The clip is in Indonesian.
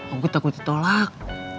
onggut takut ditolak